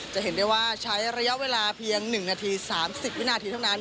จะเห็นได้ว่าใช้ระยะเวลาเพียง๑นาที๓๐วินาทีเท่านั้น